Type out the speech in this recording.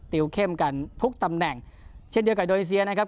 ติวเข้มกันทุกตำแหน่งเช่นเดียวกับอินโดนีเซียนะครับ